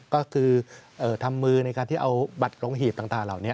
ก็คือทำมือในการที่เอาบัตรลงหีบต่างเหล่านี้